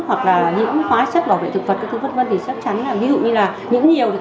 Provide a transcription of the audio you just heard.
hoặc là nhiễm hóa chất bảo vệ thực vật các thứ vân vân thì chắc chắn là ví dụ như là những nhiều thì